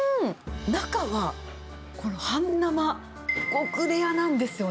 中は半生、極レアなんですよね。